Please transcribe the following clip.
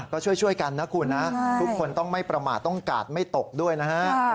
ก็ช่วยกันนะคุณนะทุกคนต้องไม่ประมาทต้องกาดไม่ตกด้วยนะฮะ